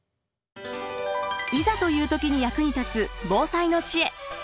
いざという時に役に立つ防災の知恵。